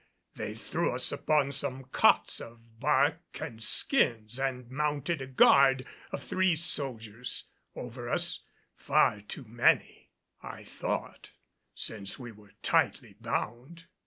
They threw us upon some cots of bark and skins and mounted a guard of three soldiers over us far too many, I thought, since we were tightly bound.